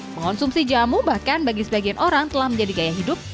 mengonsumsi jamu bahkan bagi sebagian orang telah menjadi gaya hidup